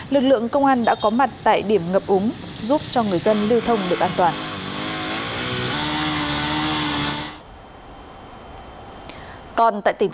lực lượng công an đã có mặt tại điểm ngập úng giúp cho người dân lưu thông được an toàn